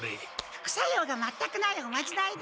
副作用が全くないおまじないです！